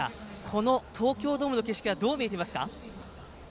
この東京ドームの景色どう見えていますか？